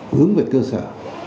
hướng về cơ sở